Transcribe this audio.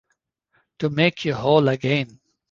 To make you whole again.